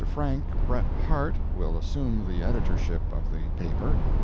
Frank Brett Hart will assume the editorship of the paper.